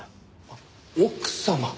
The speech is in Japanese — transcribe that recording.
あっ奥様。